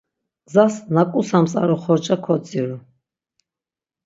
Gzas na ǩusams ar oxorca kodziru.